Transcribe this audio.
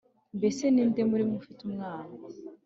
Mbese ni nde muri mwe ufite umwana